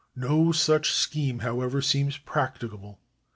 No such scheme, however, seems practicable.